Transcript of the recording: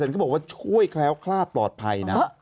เขาบอกว่าช่วยแคล้วคลาดปลอดภัยนะ